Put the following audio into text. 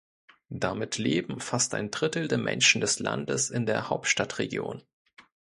Damit leben fast ein Drittel der Menschen des Landes in der Hauptstadtregion.